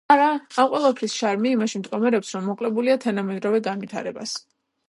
ამ ყველაფრის შარმი იმაში მდგომარეობს, რომ მოკლებულია თანამედროვე განვითარებას.